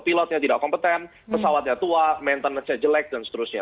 pilotnya tidak kompeten pesawatnya tua maintenancenya jelek dan seterusnya